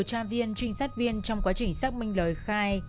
cảm ơn các bạn đã theo dõi